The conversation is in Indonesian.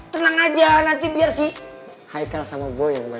tenang aja nanti biar si haikal sama boy